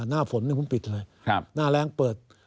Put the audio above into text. หน้าฝนนี่คุณปิดเลยหน้าแรงเปิด